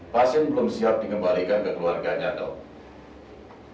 pasien belum siap dikembalikan ke keluarganya dok